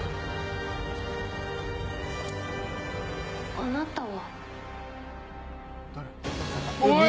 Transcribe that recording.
あなたは。